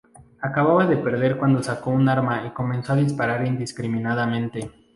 Acababa de perder cuando sacó un arma y comenzó a disparar indiscriminadamente.